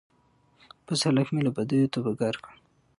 بس هلک مي له بدیو توبه ګار کړ